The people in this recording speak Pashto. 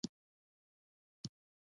خوب د آرام ذهن ګواه دی